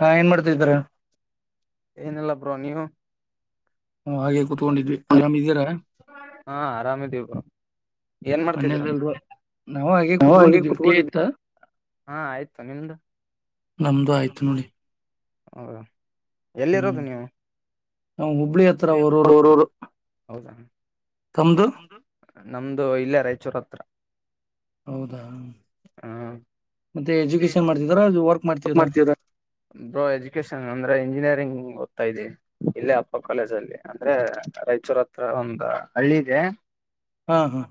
ಹಾ ಏನ್ ಮಾಡ್ತ ಇದ್ದಾರ ಏನಿಲ್ಲ ಬ್ರೋ ನೀವು ಕೂತ್ಕೊಂಡಿದ್ವಿ ಆರಾಮಿದ್ದೀರಾ ಹಾ ಆರಾಮ ಇದೀವಿಪ ಏನ್ ಮಾಡ್ತಿದೀರ ಮನೇಲೆಲ್ರು ನಾವು ನಾ ಹಾಗೆ ಕೂತ್ಕೊಂಡಿದ್ವಿ ಟೀ ಕುತ್ಕೊಂಡಿದವಿ ಆಯ್ತಾ ಹಾ ಆಯ್ತು ನಿಮ್ದು ನಮ್ದು ಆಯ್ತು ನೋಡಿ ಹೌ ಎಲ್ಲಿರೋದು ನೀವು ನಾ ಹುಬ್ಬಳ್ಳಿ ಹತ್ರ ವರೂರು ಊರೂರು ಹೌದಾ ನಮ್ದು ಇಲ್ಲೇ ರಾಯಚೂರ್ ಹತ್ರ ಹೌದಾ ಹ ಮತ್ತೆ ಎಜುಕೇಶನ್ ಮಾಡ್ತಿದರ ವರ್ಕ್ ಮಾಡ್ತಿದ್ದೀರಾ ಬ್ರೋ ಎಜುಕೇಶನ್ ಅಂದ್ರೆ ಇಂಜಿನಿಯರಿಂಗ್ ಓದ್ತಾ ಇದೆ ಇಲ್ಲ ಕಾಲೇಜ ಅಲ್ಲಿ ಅಂದ್ರೆ ರಾಯಚೂರ್ ಹತ್ರ ಒಂದ ಹಳ್ಳಿ ಇದೆ ಹಾ ಹಾ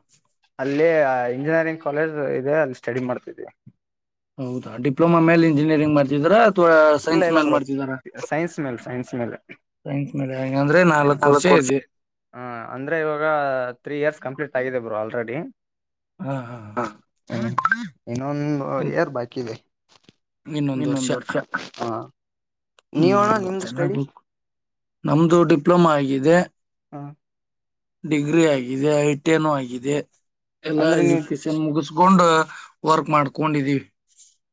ಅಲ್ಲಿ ಇಂಜಿನಿಯರಿಂಗ್ ಕಾಲೇಜ್ ಇದೆ ಅಲ್ಲಿ ಸ್ಟಡಿ ಮಾಡ್ತಿದ್ವಿ ಹೌದಾ ಡಿಪ್ಲೊಮಾ ಮೇಲೆ ಇಂಜಿನಿಯಂಗ್ ಮಾಡ್ತಾ ಇದೀರಾ ಇಲ್ಲ ಸೈನ್ಸ್ ಇಲ್ಲ ಮೇಲ್ ಬ್ರೋ ಮಾಡ್ತಿದಾರೆ ಸೈನ್ಸ್ ಮೇಲೆ ಸೈನ್ಸ್ ಮೇಲೆ ಸೈನ್ಸ್ ಮೇಲೆ ಹಾಗ ಅಂದ್ರೆ ನಾಲ್ಕ್ ವರ್ಷ ಇದೆ ಹ ಅಂದ್ರೆ ಇವಾಗ ತ್ರೀ ಇಯರ್ಸ್ ಕಂಪ್ಲೀಟ್ ಆಗಿದೆ ಬರು ಆಲ್ರೆಡಿ ಹಾ ಹಾ ಇನ್ನೊಂದು ಇನ್- ಇಯಾರ್ ಬಾಕಿ ಇದೆ ಇನ್ನೊಂದು ವರ್ಷ ನೀವಣ್ಣ ಹ್ಮ್ ನಿಮ್ದು ಸ್ಟಡಿ ಚೆನ್ನಾಗ ನಮ್ದು ಡಿಪ್ಲೊಮಾ ಆಗಿದೆ ಹಾ ಡಿಗ್ರಿ ಆಗಿದೆ ಐಟೆನ್ ಆಗಿದೆ ಎಲ್ಲಾ ಅಂದ್ರೆ ನೀವು ಎಜುಕೇಶನ್ ಮುಗಿಸ್ ಗೊಂಡ್ ವರ್ಕ್ ಮಾಡ್ಕೊಂಡಿದೀವಿ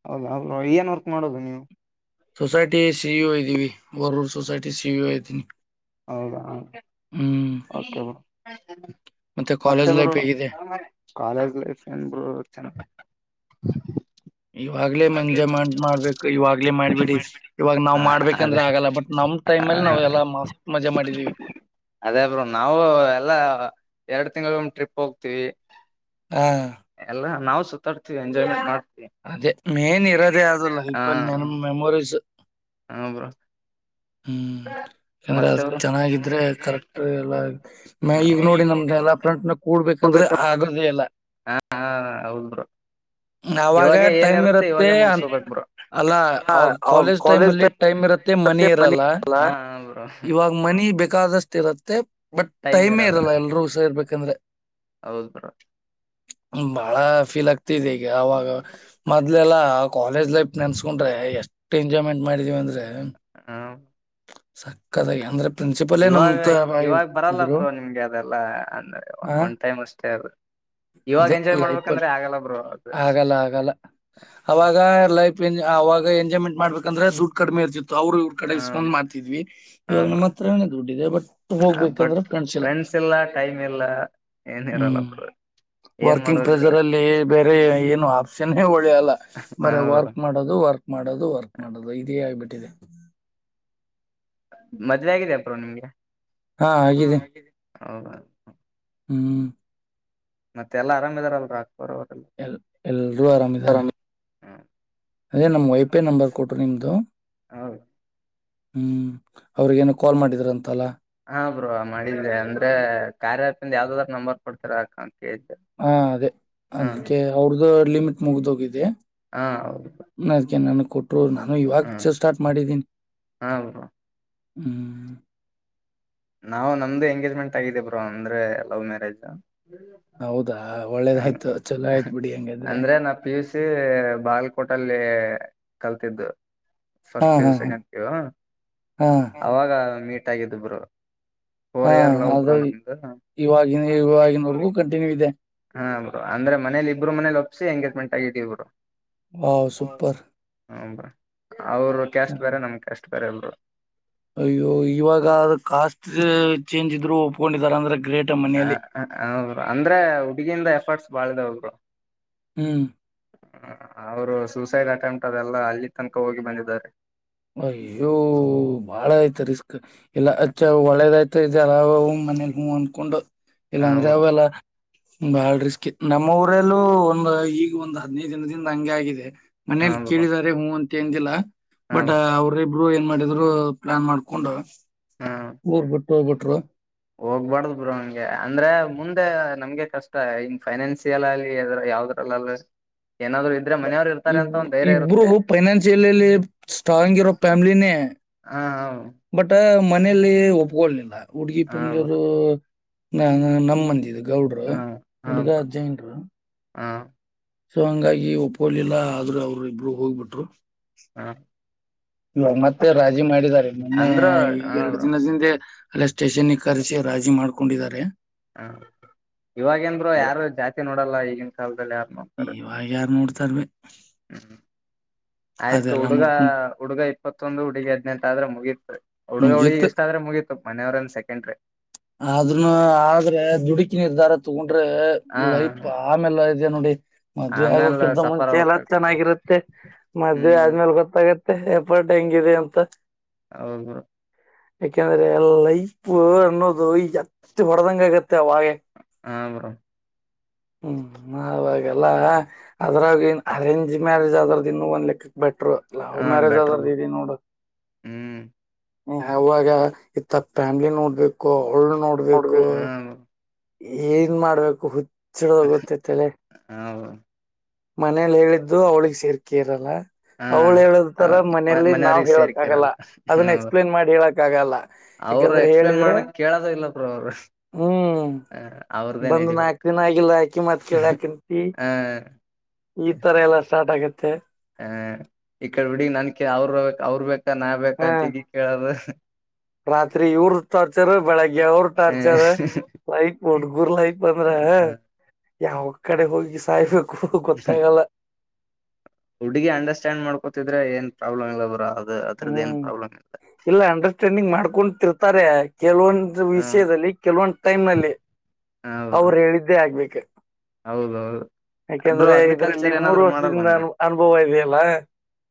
ಹೌದ ಹೌ ಏನ್ ವರ್ಕ್ ಮಾಡೋದು ನೀವು ಸೊಸೈಟಿ ಸಿಇ ಒ ಇದ್ದೀವಿ ವರೂರ್ ಸೊಸೈಟಿ ಸಿಇ ಒ ಇದ್ದೀನಿ ಹೌದಾ ಹ ಓಕೆ ಬ ಮತ್ತೆ ಕಾಲೇಜ್ ಬರು ಲೈಫ್ ಹೇಗಿದೆ ಕಾಲೇಜ್ ಲೈಫ್ ಏನ್ ಬರು ಚೆ [inaudible] ಇವಾಗ್ಲೇ ಎಂಜಾಯ್ಮೆಂಟ್ ಮಾಡ್ಬೇಕು ಇವಾಗ್ಲೇ ಮಾಡ್ಬಿಡಿ ಇವಾಗ ನಾವ್ ಹ ಅದೇ ಮಾಡ್ಬೇಕಂದ್ರೆ ಆಗಲ್ಲ ಬಟ್ ನಾವ್ ಟೈಮ್ ಅಲ್ಲಿ ನಾವ ಎಲ್ಲಾ ಮಸ್ತ್ ಮಜಾ ಮಾಡಿದೀವಿ ಅದೇ ಬ್ರೂ ನಾವವು ಎಲ್ಲಾ ಎರಡ್ ತಿಂಗಗಳಮ್ಮ ಟ್ರಿಪ್ ಹೋಗ್ತಿವಿ ಹಾ ಎಲ್ಲಾ ನಾವು ಸುತ್ತಾಡ್ತೀವಿ ಎಂಜಾಯ್ಮೆಂಟ್ ಮಾಡ ಅದೇ ಮೇನ್ ಇರೋದೇ ಆದಲ್ಲ ಇಪಲ್ಲಿ ನಮ್ಮ ಮೆಮೊರೀಸ್ ಹಾ ಬ್ರೋ ಹ್ಮ್ ಯಾಂದ್ರೆ ಅ ಚೆನ್ನಾಗಿದ್ರೆ ಕರೆಕ್ಟ್ ಎಲ್ಲ ಮ ಈಗ ನೋಡಿ ನಮ್ದ ಎಲ್ಲಾ ಫ್ರಂಟ್ ನ ಕೂಡ್ಬೇಕ ಅಂದ್ರೆ ಆಗದೇ ಇಲ್ಲ ಹಾ ಹಾ ಹೌದ್ ಬ್ರು ಅವಾವಾಗ ಟೈಮ್ ಇರತ್ತೆ ಅಂತ ಮುಗಸೋಬೇಕ್ ಬ್ರೋ ಅಲ್ಲಾ ಅವಾಗ ಕಾಲೇಜ್ ಟೈಮ್ ಅಲ್ಲಿ ಟೈಮ್ ಇರತ್ತೆ ಮನಿ ಇರಲ್ಲ ಇವಾಗ ಮನ ಬೇಕಾದಷ್ಟ ಇರತ್ತೆ ಬಟ್ ಟೈಮೆ ಇರಲ್ಲ ಎಲ್ರರು ಸ ಇರ್ಬೇಕಂದ್ರೆ ಹೌದ್ ಬ್ರೋ ಭಾಳಫೀ ಲಗತಿ ಈಗ ಆವಾಗ ಮೊದ್ಲೆಲ್ಲಾ ಕಾಲೇಜ್ ಲೈಫ್ ನೆನ್ಸ್ಕೊಂಡ್ರೆ ಎಷ್ಟ್ ಎಂಜಾಯ್ಮೆಂಟ್ ಮಾಡಿದೀವಿ ಅಂದ್ರೆ ಹ ಸಕ್ಕತ್ತಾಗಿ ಅಂದ್ರೆ ಪ್ರಿನ್ಸಿಪಲೇ ನಮ್ ಇವಾಗ ತರ ಇವಾಗ ಬರಲ್ಲ ಇರ್ತಿದ್ರು ಬ್ರೋ ನಿಮ್ಗೆ ಅದೆಲ್ಲಾ ಅಂದ್ರೆ ಆ ಒನ್ ಟೈಮ್ ಅಷ್ಟೇ ಅದು ಇವಾಗ ಅದೇ ಎಂಜಾಯ್ ಲೈಫ್ ಅಲ್ಲಿ ಮಾಡ್ಬೇಕಂದ್ರೆ ಆಗಲ್ಲ ಬ್ರ ಅದು ಆಗಲ್ಲ ಆಗಲ್ಲ ಅವಾಗ ಲೈಫ್ ಎಂಜ ಅವಾಗ ಎಂಜಾಯ್ಮೆಂಟ್ ಮಾಡ್ಬೇಕಂದ್ರೆ ದುಡ್ಡು ಕಡಿಮೆ ಇರ್ತಿ ಅವ್ರು ಇವ್ರ ಕಡೆ ಹ ಇಸ್ಕೊಂಡ್ ಮಾಡ್ತಿದ್ವಿ ಹ ಇವಾಗ ನಮ್ಮ ಬ್ರೋ ಹತ್ರವೇ ದುಡ್ಡಿದೆ ಬಟ್ ಹೋಗ್ಬೇಕಂದ್ರೆ ಫ್ರೆಂಡ್ಸ್ ಇಲ್ಲಾ ಇಲ್ಲ ಟೈಮ್ ಇಲ್ಲ ಏನ್ ಇರಲ್ಲ ಹ್ಮ್ ವರ್ಕಿಂಗ್ ಪ್ರೆಸರ್ ಅಲ್ಲಿ ಬೇರೆ ಏನು ಆಪ್ಷನೆ ಒಳ್ಳೆಲ್ಲ ಹಾ ಬರ ಬ್ರೋ ವರ್ಕ್ ಮಾಡೋದು ವರ್ಕ್ ಮಾಡೋದು ವರ್ಕ್ ಮಾಡೋದು ಇದೆ ಬಿಟ್ಟಿದೆ ಮದ್ವೆ ಆಗಿದೆ ಅಪ್ರೋ ನಿಮ್ಗೆ ಹಾ ಆಗಿದೆ ಹ್ಮ್ ಮತ್ತೆ ಎಲ್ಲಾ ಆರಾಮ್ ಇದಾರಲ್ರ ಅಕ್ಬರ್ ಅವರೆಲ್ಲ ಎಲ್ ಎಲ್ಲರೂ ಆರಾಮಿದ್ದಾರೆ ಅದೇ ನಮ್ ವೈಪೇ ನಂಬರ್ ಕೊಟ್ರು ನಿಮ್ದು ಹೌದ ಹ್ಮ್ ಅವ್ರಗೇನ ಕಾಲ್ ಮಾಡಿದ್ರ ಅಂತಲ್ಲ ಹಾ ಬ್ರೋ ಮಾಡಿದ್ದೆ ಅಂದ್ರೆ ಕಾರ್ಯಾಪಿಂದ ಯಾವ್ದಾದ್ರ ನಂಬರ್ ಕೊಡ್ತರಾಕಂತ ಹಾ ಅದೇ ಅನ್ಕ ಅವ್ರ್ದಲಿಮಿಟ್ ಮುಗ್ದೋಗಿದೆ ಹಾ ಹೌದು ಅದಕ್ಕೆ ನನಗೆ ಕೊಟ್ರು ನಾನು ಹಾ ಇವಾಗ ಸ್ಟಾರ್ಟ್ ಮಾಡಿದ್ದೀನಿ ಹಾ ಬ್ರೋ ಹ್ಮ್ ನಾವವು ನಮ್ದು ಎಂಗೇಜ್ಮೆಂಟ್ ಆಗಿದೇ ಬ್ರೋ ಅಂದ್ರೆ ಲವ್ ಮ್ಯಾರೇಜ್ [inaudible] ಹ ಒಳ್ಳೇದಾಯ್ತು ಚಲೋ ಆಯ್ತು ಬಿಡಿ ಹಂಗಾದ್ರೆ ಅಂದ್ರೆ ನಾ ಪಿ ಯು ಸಿ ಬಾಲ್ಕೋಟಲ್ಲಿ ಕಲ್ತಿದ್ದು ಹಾ ಫಸ್ಟ್ ಪ್ಯೂ ಹಾ ಸೆಕೆಂಡ್ ಹಾ ಪ್ಯೂ ಅವಾಗ ಮೀಟ್ ಆಗಿದ್ದ ಬರು ಫೋರ್ ಹಾ ಇಯರ್ ಹಾ ಅದು ಲವರು ನಮ್ದ ಹ ಇವಾಗಿನ ಇವಾಗಿನವರೆಗೂ ಕಂಟಿನ್ಯೂ ಇದೆ ಅಂದ್ರೆ ಮನೇಲಿ ಇಬ್ರು ಮನಲಿ ಒಪ್ಸಿ ಎಂಗೇಜ್ಮೆಂಟ್ ಆಗಿದ ಇಬ್ರು ವಾವ ಸಪರ್ ಹಬ ಅವರು ಕ್ಯಾಸ್ಟ್ ಬೇರೆ ನಮ್ ಕ್ಯಾಸ್ಟ್ ಬೇರೆ ಎಲ್ರು ಅಯ್ಯೋ ಇವಾಗ ಕಾಸ್ಟ್ ಚೇಂಜ್ ಇದ್ರು ಒಪ್ಕೊಂಡಿದಾರ ಅಂದ್ರೆ ಗ್ರೇಟ್ ಮನೆಯಲ್ಲಿ ಹ ಹೌರು ಅಂದ್ರೆ ಹುಡುಗಿಯಿಂದ ಎಫರ್ಟ್ಸ್ ಬಾಳದ ಹರು ಹ್ಮ್ ಅವರು ಸೂಸೈಡ್ ಅಟೆಂಪ್ಟ್ ಅದೆಲ್ಲಾ ಅಲ್ಲಿ ತನಕ ಹೋಗಿ ಬಂದಿದ್ದಾರೆ ಅಯ್ಯೋ ಬಾಳ ಆಯ್ತ ರಿಸ್ಕ್ ಇಲ್ಲ ಅಚ್ಚ ಒಳ್ಳೇದಯ್ತ ಇದಲ್ಲ ಅವ ಹೂ್ ಮನೇಲಿ ಹೂ್ ಅಂದ್ಕೊಂಡು ಇಲ್ಲಾ ಹಾ ಅಂದ್ರೆ ಬ್ರೋ ಅವೆಲ್ಲ ಬಾಳ ರಿಸ್ಕಿ ನಮ್ಮ ಊರಲ್ಲೂ ಒಂದು ಈಗ ಒಂದ್ ಹದ್ನೈದು ದಿನದಿಂದ ಹಂಗೆ ಆಗಿದೆ ಹಾ ಮನೇಲಿ ಬ್ರೋ ಕೇಳಿದಿದ್ದಾರೆ ಹ್ಞ ಅಂತ ಎನ್ಂದಿಲ್ಲ ಹಾ ಬಟ್ ಬ್ರೋ ಅವ್ರ ಅವರು ಏನ್ ಮಾಡಿದ್ರು ಪ್ಲಾನ್ ಮಾಡ್ಕೊಂಡ್ ಊರ್ ಬಿಟ್ರುೋಗ ಬಿಿಟ್ರು ಹೋಗ್ಬಾರ್ದ್ ಬ್ರ ಹಂಗೆ ಅಂದ್ರೆ ಮುಂ ನಮ್ಗೆ ಕಷ್ಟ ಇನ್ ಫೈನಾನ್ಸಿಯಲ್ ಅಲ್ಲಿ ಅ್ರ ಯಾವದ್ರಲ್ಲ ಅಲ್ ಇ ಇಬ್ರು ಇರುತ್ತೆ ಫೈನಾನ್ಸಿಯಲ್ಲ್ಲಿ ಸ್ಟ್ರಾಂಗ್ ಇರೋ ಫ್ಯಾಮ್ಲಿನೇ ಹಾ ಹೌದು ಬಟ್ ಮನೇಲಿ ಒಪ್ಕೊಳ್ಲಿಲ್ಲ ಹುಡ್ಗಿ ಹಾ ಹಾ ಬ್ರೋ ಪಂಬಳಿಯರು ನ ನಮ್ಮ ಮಂದಿ ಇದು ಗೌಡ್ರು ಹುಡ್ಗ ಜೈನ್ರು ಹ್ಮ ಸೊ ಹಂಗಾಗಿ ಒಪ್ಪೋಲಿಿಲ್ಲಾ ಆದ್ರರು ಅವ್ರು ಇಬರು ಹೋಗ್ಬಿಟ್ರು ಹ್ಮ ಇ ಮತ್ತೆ ರಾಜಿ ಮಾಡಿದ್ದಾರೆ ಮೊನ್ನೆ ಅಂದ್ರ ಹ ಎರಡು ಬ್ರೋ ದಿನದಿಂದೆ ಅಲ್ಲ ಸ್ಟೇಷನ್ ಕರೆಸಿ ರಾಜಿ ಮಾಡ್ಕೊಂಡಿದ್ದಾರೆ ಹ್ಮ ಇವಾಗೇನ್ರು ಯಾರು ಜಾತಿ ನೋಡಲ್ಲ ಈಗಿನ ಕಾಲದಲ್ಲಿ ಯಾರು ನೋಡ್ಂತಾರ ಸರ್ ಹ್ಮ್ ಆಯ್ತು ಹುಡುಗ ನೋಡ್ಕೊಂಡು ಹುಡುಗ ಇಪ್ಪತ್ತೊಂದು ಹುಡುಗಿ ಹದ್ನೆೆಂಟ ಆದ್ರೆ ಮುಗಿ ಹುಡ್ಗ ಹುಗ ಮುಗೀತು ಎಷ್ಟ ಆದ್ರೆಗಿತತ್ತು ಮನೆಯವ್ರನ್ ಸೆಕೆಂಡ್ರೆ ಅದನ್ನ ಆದ್ರೆ ದುಡುಕಿ ನಿರ್ಧಾರ ತಗೊಂಡ್ರೆ ಹ ಲೈಪ್ ಆಮೇಲೆ ಇದೆ ನೋಡಿ ಮದ್ವೆ ಆಮೇಲೆ ಆಗೋಕಿಲ್ಂತ ಸಫರ್ ಮುಂಚೆ ಎಲ್ಲ ಆಗ್ಬೇಕಾಗತ್ ಬ್ರೋ ಚೆನ್ನಾಗಿರುತ್ತೆ ಮದ್ವೆ ಹ್ಮ್ ಆದ್ಮೇಲೆ ಗೊತ್ತಾಗುತ್ತೆ ಎಪ ಡೆಂಂಗಿದೆ ಎಂತ ಹೌ ಯಾಕೆಂದ್ರೆ ಎಲ್ಲೈಪ್ು ಅನ್ನೋದು ಈತ್ ಹೊಡದಂಗ ಆಗತ್ತ ಹ ಬರೋ ಹ್ಮ್ ಅವಾಗಲ್ಲ ಅದ್ರಾಗ ಏನ್ ಅರೇಂಜ್ ಮ್ಯಾರೇಜ್ ಆದದ್ರದ್ದ ಇನ್ನು ಒಂದ್ ಲೆಕ್ಕಕ್ ಬಟ್ಟ ಲವ್ ಹಾ ಮ್ಯಾರೇಜ್ ಬೆಟರ್ ಬ್ರೋ ಅದರ್ದಿ ನೋಡು ಹ್ಮ್ ಅವಾಗ ಇತ್ತ ಫ್ಯಾಮ್ಲಿ ನೋಡ್ಬೇಕು ಅವಳು ನೋ ನೋಡ್ಬೇಕು ಹ್ಮ ಏನ್ ಮಾಡ್ಬೇಕು ಹುಚ್ಚಡದ ಗೊತ್ತೈತ್ತಲೆ ಹೌದು ಮನೇಲಿ ಹೇಳಿದ್ದು ಅವ್ಳಿಗೆ ಸೇರ್ಕೆ ಇರಲ್ಲ ಅವಳು ಹೇಳದ ಹಾ ತರ ಮನೇಲಿ ನಾವ್ ಮನೆಯವ್ರಿಗೆ ಹೇಳಕ್ ಆಗಲ್ಲ ಸೇರ್ಕಿರಲ್ಲ ಅದನ್ನ ಎಕ್ಸ್ಪ್ಲೇನ್ ಮಾಡಿ ಹೇಳಕ್ ಆಗಲ್ಲ ಅವರು ಯಾಕಂದ್ರೆ ಎಕ್ಸ್ಪ್ಲೇನ್ ಹೇಳಿದ್ರೆ ಮಾಡಕ್ ಕೇಳೋದ ಇಲ್ಲ ಬ ಅವ್ರು ಹ್ಮ್ ಅವ್ರದೇ ಬಂದ್ ನಡಿಬೇಕು ನಾಕ್ ದಿನ ಆಗಿಲ್ಲ ಹಾಕಿ ಮತ್ ಕೇಳ ಹಾಕಂತ ಹ ಈ ತರ ಎಲ್ಲಾ ಸ್ಟಾರ್ಟ್ ಆಗತ್ತೆ ಆಹ ಈ ಕಡೆ ಬಿಡ ನನ್ ಕ ಅವ್ರ ಅವ್ರ್ ಬೇಕಾ ನಾ ಬೇಕ ಹ ಅಂತಗಿ ಕೇಳದು ರಾತ್ರಿ ಇವ್ರ ಟಾರ್ಚರ್ ಬೆಳಗ್ಗೆ ಅವರು ಟಾರ್ಚರ್ ಲೈಪ್ ಹುಡುಗುರ್ ಲೈಪ್ ಅಂದ್ರ ಯಾವ ಕಡೆ ಹೋಗಿ ಸಾಯ್ಬೇಕು ಗೊತ್ತಾಗಲ್ಲ ಹುಡುಗ ಅಂಡರ್ಸ್ಟ್ಯಾಂಡ್ ಮಾಡ್ಕೋತಿದ್ರೆ ಏನ್ ಪ್ರಾಬ್ಲಮ್ ಇಲ್ಲ ಬರದು ಹ್ಮ್ ಇಲ್ಲ ಅಂಡರ್ಸ್ಟ್ಯಾಂಡಿಂಗ್ ಮಾಡ್ಕೊಂಡ ತಿರ್ತಾರೆ ಕೆಲವೊಂದು ಹ್ಮ್ ವಿಷಯದಲ್ಲಿ ಕೆಲವೊಂದು ಟೈಮ್ನಲ್ಲಿ ಹ ಬ್ರೋ ಅವ್ರು ಹೇಳಿದ್ದೇ ಆಗ್ಬೇಕು ಹೌದೌದು ಬ್ರೋ ಯಾಕಂದ್ರೆ ಇದ್ರಲ್ಲಿ ಅಗ್ರಿಕಲ್ಚರ್ ಮೂರು ಏನಾದ್ರು ಮಾಡಲ್ವಾ ವರ್ಷದಿಂದ ನೀವು ಅನು ಅನುಭವ ಇದೆಯಲ್ಲ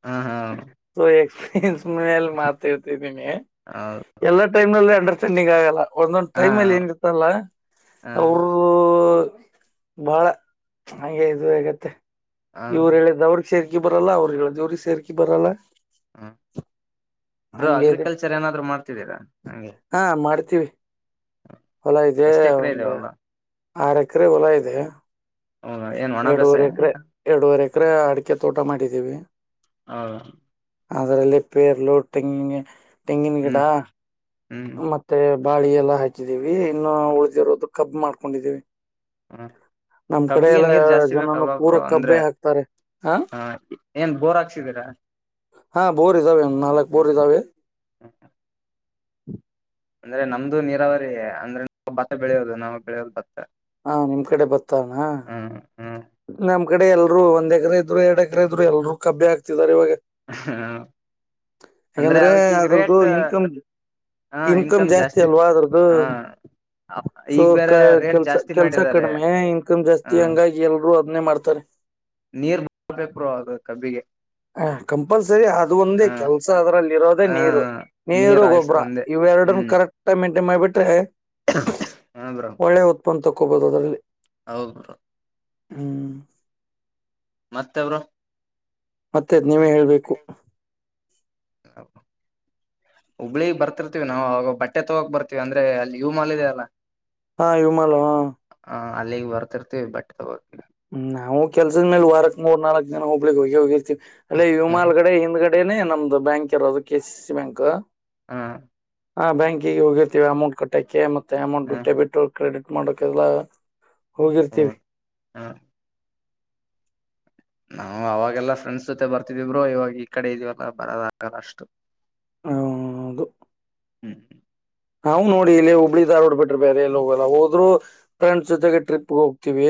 ಹ ಹಾ ಸೊ ಎಕ್ಸ್ಪೀರಿಯನ್ಸ್ ಮೇಲೆ ಮಾತ ಇರ್ತಿದೀನಿ ಹೌದು ಎಲ್ಲಾ ಟೈಮ್ ನಲ್ಲಿ ಅಂಡರ್ಸ್ಟ್ಯಾಂಡಿಂಗ್ ಆಗಲ್ಲ ಒಂದೊಂದ್ ಟೈಮ್ ಅಲ್ಲಿ ಏನಿರ್ತ್ತಲ್ಲ ಹಾ ಬಾಳ ಹಾಗೆ ಇದು ಹಗತ್ತೆ ಹ ಇವ್ರು ಹೇಳಿದ್ದ ಅವ್ರ ಸೇರ್ಕಿ ಬರಲ್ಲ ಅವ್ರರು ಹೇಳ ದವ್ರಿಗೆ ಸೇರ್ಕಿ ಬರಲ್ಲ ಹ್ಮ್ ಬರು ಹಂಗೆ ಇದೆ ಅಗ್ರಿಕಲ್ಚರ್ ಏನಾದ್ರು ಮಾಡ್ತಿದ್ದೀರಾ ನಂಗೆ ತವಿ ಹೊಲ ಇದೆ ಎಷ್ಟ್ ಎಕರೆ ಒಂದು ಇದಾವಲ್ಲ ಆರ್ ಎಕರೆ ಹೊಲ ಇದೆ ಹೌದ ಏನ್ ಒಣ ಎರಡುವರೆ ಬೇಸಾಯ ಎಕರೆ ಎರಡುವರೆ ಎಕರೆ ಅಡಿಕೆ ತೋಟ ಮಾಡಿದ್ದೀವಿ ಹಾ ಅದರಲ್ಲಿ ಪೇರ್ಲು ತೆಂಗಿಿನ ತೆಂಗಿನ ಗಿಡ ಹ್ಮ್ ಹ್ಮ್ ಮತ್ತೆ ಬಾಳಿ ಎಲ್ಲಾ ಹಾಕಿದೀವಿ ಇನ್ನು ಉಳಿದಿರೋದು ಕಬ್ ಮಾಡ್ಕೊಂಡಿದ್ದೀವಿ ಹ್ಮ ಕಬ್ಬಿಗೆ ನೀರ್ ಜಾಸ್ತಿ ಜನನು ಪೂರ ಬೇಕಲ್ವಾಬ್ರು ಅಂದ್ರೆ ಕಬ್ಬೆ ಹಾಕ್ತಾರೆ ಹಾ ಆ ಏನ್ ಬೋರ್ ಹಾಕ್ಸಿದ ಹ ಹಾ ಬೋರ್ ಇದ್ದಾವೆ ಒ ನಾಲ್ಕಕ್ ಬೋರ್ ಇದ್ದಾವೆ ಹ ಅಂದ್ರೆ ನಮ್ದು ನೀರಾವರಿೇ ಅಂದ್ರೆ ಭತ್ತ ಬೆಳೆಯೋದು ನಾವ್ ಬೆಳೆಯೋದು ಭತ್ತ ಹಾ ನಿಮ್ ಕಡೆ ಬರ್ತಾನ ಹ್ಮ್ ಹ್ಮ್ ್ ಕಡೆ ಎಲ್ಲರು ಒಂದ್ ಎಕರೆ ಇದ್ರು ಎರ ಎಕರ ಇದರು ಎರರು ಕಬ್ಬಿ ಆಾತಿದ್ದಾರೆ ಇವಾಗ ಹಾ ಯಾಕಂದ್ರೆ ಅದ್ರದ್ದು ಇನ್ಕಮ್ ಇನ್ಕಮ್ ಜಾಸ್ತಿ ಅಲ್ವಾ ಅದ್ರ್ದು ಹ ಸೊ ಈಗ ಬೇರೆ ರೇಟ್ ಕೆಲ್ಸ ಜಾಸ್ತಿ ಕೆಲ್ಸ ಮಾಡಿದ್ದಾರೆ ಕಡಿಮೆ ಇನ್ಕಮ್ ಜಾಸ್ತಿ ಹ್ಮ ಹಂಗಾಗಿ ಎಲ್ರೂ ಅದನ್ನೇ ಮಾಡ್ತಾರೆ ನೀರ್ ಬೇಕು ಬ್ರೋ ಅದು ಕಬ್ಬಿಗೆ ಕಂಪಲ್ಸರಿ ಅದು ಒಂದೇ ಹ ಕೆಲ್ಸ ಅದ್ರಲ್ಲಿ ಇರೋದೇ ಹ ನೀರು ನೀರು ನೀರ್ ಗೊಬ್ಬರ ಹಾಯಿಸೋದ ಒಂದೇ ಇವೆರಡನ್ ಹ್ಮ್ ಕರೆಕ್ಟ್ಮೆಂ ಅಡಿ ಮಾಡ್ ಬಿಿಟ್ರೆ ಒಳ್ಳೆ ಉತ್ಪನ್ನ ತಕೋಬಹುದು ಅದರಲ್ಲಿ ಹೌದ ಬ್ರ ಹ್ಮ ಮತ್ತೆವರು ಮತ್ತೆ ನೀವೇ ಹೇಳ್ಬೇಕು [inaudible] ಹುಬ್ಳಿಗ್ ಬರ್ತಿರ್ತಿೀವಿ ನಾವು ಅವಾಗ ಬಟ್ಟೆ ತಗೋಕ್ ಬರ್ತಿೀವಿ ಅಂದ್ರೆ ಅಲ್ಲಿ ಇವ ಮಾಲ್ಿದ ಅಲ್ಲಾ ಹಾ ವಿಮಾಲ ಹ ಅಲ್ಲಿಗೆ ಬರ್ತಿರ್ತಿೀ ಬಟ್ ತಗೋ ್ಮ್ ನಾವು ಕೆಲ್ಸದ ಮೇಲೆ ವಾರಕ್ ಮೂರ್ ನಾಲ್ಕ್ ಜನ ಹೋಗ್ಲಿಕ್ಕೆ ಹೋಗಿ ಹೋಗಿರ್ತಿವಿ ಅಲ್ಲೇ ಹ ವಿಮಲ್ಗಡೆ ಹಿಂದ್ಗಡೆ ಅಡೇನೆ ನಮ್ದು ಬ್ಯಾಂಕ್ ಯರೋದು ಕೆಸ ಸಿ ಬ್ಯಾಂಕ್ ಹಾ ಹಾ ಬ್ಯಾಂಕಿಗೆ ಹೋಗಿರ್ತೀವಿ ಅಮೌಂಟ್ ಕಟ್ಟಕೆ ಮತ್ತೆ ಅಮೌಂಟ್ ಡೆಬಿಟ್ ಕ್ರೆಡಿಟ್ ಮಾಡಕ ಎಲ್ಲ ಹ ಹೋಗಿರ್ತೀವಿ ಹ ನಾವು ಅವಾಗೆಲ್ಲ ಫ್ರೆಂಡ್ಸ್ ಜೊತೆ ಬರ್ತಿದೀವ್ರೋ ಇವಾಗ ಈ ಕಡೆ ಇದೀವಲ್ಲ ಬರದಗಲ್ಲ ಅಷ್ಟು ಹ ಹ್ಮ್ ಹ್ಮ್ ಹ್ ನೋಡಿ ಇಲ್ಲಿ ಹುಬ್ಳಿ ದಾರ್ ರೋಡ್ ಬಿಟ್ರೆ ಬೇರೆ ಎಲ್ಲಿ ಹೋಗಲ್ಲ ಹೋದ್ರು ್ರಂಡ್ಸ್ ಜೊತೆ ಟ್ರಿಪ್ ಹೋಗ ವಿ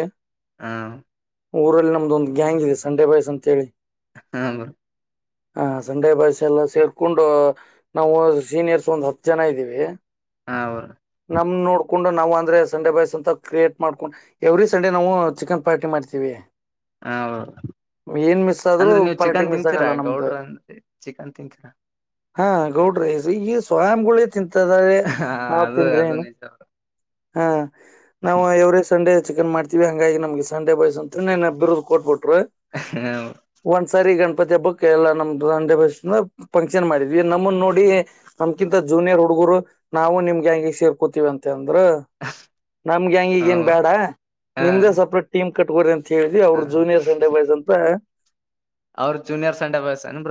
ಹಾ ಊರಲ್ಲಿ ನಮ್ದು ಒಂದು ಗ್ಯಾಂಗ್ ಇದೆ ಸಂಡೆ ಬಾಯ್ಸ್ ಅಂತ ಹೇಳಿ ಹಾ ಬರ ಹಾ ಸಂಡೇ ಬಾಯಸ್ ಎಲ್ಲ ಸೇರ್ಕೊಂಡು ನಾವು ಸೀನಿಯರ್ಸ್ ಒಂದ್ ಹತ್ತು ಜನ ಇದ್ದೀವಿ ಹಾ ಅವರ ೊಂಡು ನಾವು ಅಂದ್ರೆ ಸಂಡೇ ಬಾಯ್ಸ್ ಅಂತ ಕ್ರಿಯೇಟ್ ಮಾಡ್ಕೊಂಡು ಎವ್ರಿ ಸಂಡೇ ನಾವು ಚಿಕನ್ ಪಾರ್ಟಿ ಮಾಡ್ತೀವಿ ಹೌ ಏನ್ ಮಿಸ್ ಆದ್ರೂ ಅಂದ್ರೆ ನೀವು್ ಪಾರ್ಟಿ ಚಿಕನ್ ಮಿಸ್ ತಿಂತೀರಾ ಆಗಲ್ಲ ನಮ್ದು ಗೌಡ್ರ ಅಂದ್ರೆ ಚಿಕನ್ ತಿಂತೀರಾ ಹಾ ಗೌಡ್ರೇ್ ಈಗ ಸ್ವಯಂ ಗುಳ ತಿಂತದ್ರೆ ಹ ನಾ ಅದು ತಿಂದ್ರೆ ಅದು ಏನು ನಿಜ ಹಾ ನಾವು ಯವರೇ ಸಂಡೇ ಚಿಕನ್ ಮಾಡ್ತೀವಿ ಹಂಗಾಗಿ ನಮ್ಗೆ ಸಂಡೆ ಬಾಯ್ಸ್ ಅಂತ ಬಿರುದ್ ಕೋಡ್ವಾರ್ಡ್ ಹಾ ಒಂದ್ಸರಿ ಗಂ [unintelligible] ಇಪ್ಪತ್ತ ಹಬ್ಬಕ್ ಎಲ್ಲಾ ನಮ್ ದಂಡೆ ಬಸ್ ಫಂಕ್ಷನ್ ಮಾಡಿದ್ವಿ ನಮ್ಮ ನೋಡಿ ನಮ್ಕಿಂತ ಜೂನಿಯರ್ ಹುಡುಗ ರು ನಾವು ನಿಮ್ಗೆ ಹಂಗಗೆ ಸೇರ್ಕೋತಿೀವಿ ಅಂತಂದ್ರ ನಮ್ಗೆ ಹಂಗೀಗ ಹಾ ಏನ್ ಬೇಡ ನಿಮ್ದೇ ಸಪ್ರೇಟ್ ಟೀಮ್ ಕಟ್ಕೋರಿಿಂತ ಹೇಳಿ ಅವ್ರ ಹಾ ಜೂನಿಯರ್ ಸಂಡೇ ಬಾಯ್ಸ್ ಅಂತ ಅವ್ರ ಜೂನಿಯರ್ ಸ ಅಂಡೆ ಬಯಸನ್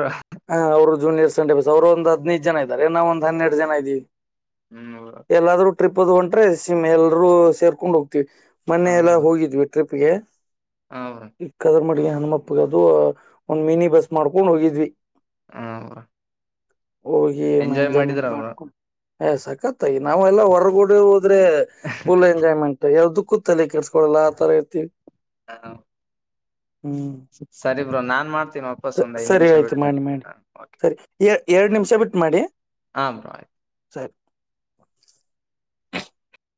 ಜೂನಿಯರ್ಸ್ಂಡೆಸ್ ಅವರು ಒ್ ಹದಿನೈದು ಜನ ಇದಾರೆ ನಾ ಒಂದ ಹನ್ನೆರ ಜ ಇದೀವಿ ಹ್ಮ್ ಎಲ್ಲಾದ್ರೂ ಟ್ರಿಪ್ ಅದು ಹೊಂ್ರೆ ಸಿಮ್ ಎಲ್ರೂ ಸೇರ್ಕೊಂಡ್ ಹೋಗ್ತಿೀವಿ ಹಾ ಮನೆೆಯ ಎಲ್ಲ ಬ್ರೋ ಹೋಗಿದ್ವಿ ಟ್ರಿಪ್ಗೆ ಹಾ ಬ್ರೋ ಈ ಕದರ್ಮಡಿಗೆ ಹನುಮಪ್ಪಗ ಅದು ಒಂದ್ ಮಿನಿ ಬಸ್ ಮಾಡ್ಕೊಂಡ್ ಹೋಗಿದ್ವಿ ಹ ಹೋಗಿ ಎಂಜಾಯ್ಮೆಂಟ್ ಮಾಡ್ಕೊಂಡು ಸಕ್ಕತ್ತಾಗಿ ನಾವೆಲ್ಲ ಹೊರಗೂಡೆ ಆದ್ರೆ ಫುಲ್ ಎಂಜಾಯ್ಮೆಂಟ್ ಯಾವ ದುಃಖಲ್ಲಿ ಕೆಸ್ಕೊಡಲ್ಲ ಆ ತರ ಇತಿವಿ ಹಾ ಹ್ಮ್ ಸರಿ ಬ್ರೋ ನಾನ್ ಮಾಡ್ತೀನಿ ವಾಪಸ್ ಸ- ಒಂದ್ ಐದ್ ಸರಿ ನಿಮಿಷ ಆಯ್ತು ಬಿಟ್ಟ ಮಾಡಿ ಮಾಡಿ ಸರಿ ಎ- ಎರಡ್ ನಿಮಿಷ ಬಿಟ್ಟು ಮಾಡಿ ಹಾ ಬ್ರೋ [unintelligible]